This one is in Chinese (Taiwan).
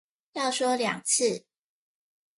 要說兩次